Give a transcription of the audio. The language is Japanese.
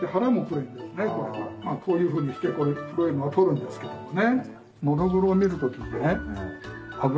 こういうふうにして黒いのは取るんですけどもね。